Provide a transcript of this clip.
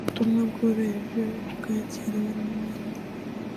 ubutumwa bwoherejwe ubwakiriwe n’ibindi